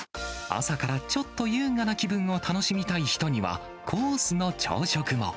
朝からちょっと優雅な気分を楽しみたい人には、コースの朝食も。